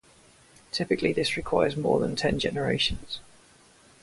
Typically this requires more than ten generations.